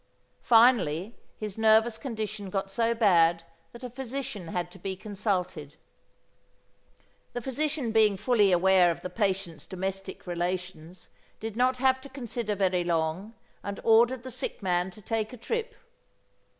Finally his nervous condition got so bad that a physician had to be consulted. The physician being fully aware of the patient's domestic relations did not have to consider very long and ordered the sick man to take a trip.